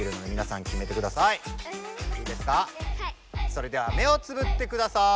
それでは目をつぶってください。